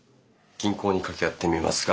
銀行に掛け合ってみますが。